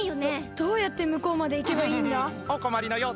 どうやってむこうまでいけばいいんだ？